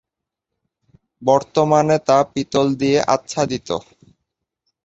বর্তমানে তা পিতল দিয়ে আচ্ছাদিত।